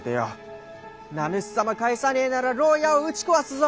「名主様返さねえなら牢屋を打ち壊すぞ」